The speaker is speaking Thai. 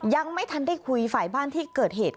ยังไม่ทันได้คุยฝ่ายบ้านที่เกิดเหตุค่ะ